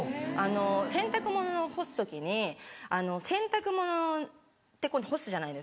洗濯物を干す時に洗濯物干すじゃないですか。